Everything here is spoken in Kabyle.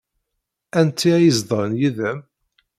Anti ay izedɣen yid-m?